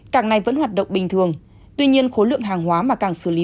càng này vẫn hoạt động bình thường tuy nhiên khối lượng hàng hóa mà càng xử lý